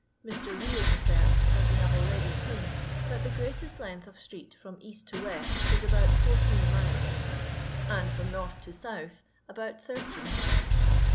Mr. Wede asserts, as we have nhmif seen, that the greatest length of street fran east to v«it is aboot flmrteen milef, and from north to south about thirteen miles.